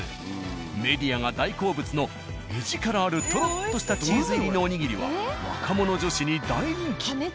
メディアが大好物の画力あるとろっとしたチーズ入りのおにぎりは若者女子に大人気。